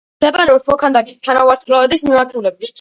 მდებარეობს მოქანდაკის თანავარსკვლავედის მიმართულებით.